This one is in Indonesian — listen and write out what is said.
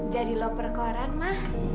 jadi loper koran ma